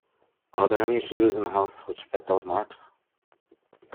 Are there any shoes in the house which fit those marks?